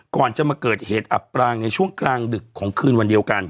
ก่อนจะมาเกิดเหตุอับปรางในช่วงกลางดึกของคืนวันเดียวกัน